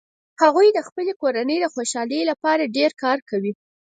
هغوي د خپلې کورنۍ د خوشحالۍ لپاره ډیر کار کوي